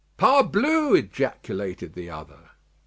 "Parblus!" ejaculated the other.